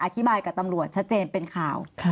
อธิบายกับตำรวจชัดเจนเป็นข่าว